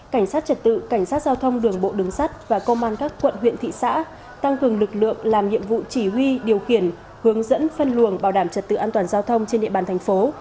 cảnh sát trật tự cảnh sát giao thông đường bộ đường sắt và công an các quận huyện thị xã tăng cường lực lượng làm nhiệm vụ chỉ huy điều khiển hướng dẫn phân luồng bảo đảm trật tự an toàn giao thông trên địa bàn thành phố